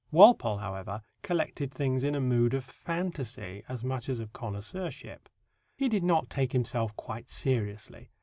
Walpole, however, collected things in a mood of fantasy as much as of connoisseurship. He did not take himself quite seriously.